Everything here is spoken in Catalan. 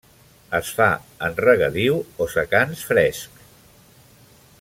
Es fa en regadiu o secans frescs.